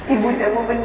ibu daya menunggu di sini